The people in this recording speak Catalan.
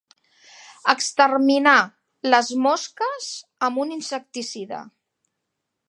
Exterminar les mosques amb un insecticida.